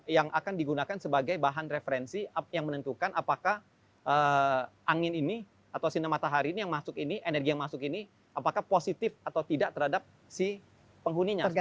yang akan digunakan sebagai bahan referensi yang menentukan apakah angin ini atau sinar matahari ini yang masuk ini energi yang masuk ini apakah positif atau tidak terhadap si penghuninya